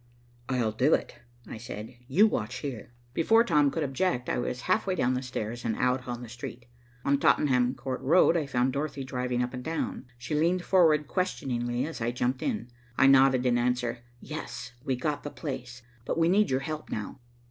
"I'll do it," I said. "You watch here." Before Tom could object, I was half way down the stairs and out on the street. On Tottenham Court Road, I found Dorothy driving up and down. She leaned forward questioningly as I jumped in. I nodded in answer, "Yes. We've got the place, but we need your help now."